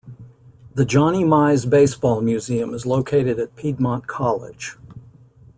The Johnny Mize Baseball Museum is located at Piedmont College.